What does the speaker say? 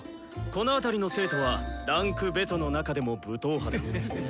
この辺りの生徒は位階「２」の中でも武闘派だ！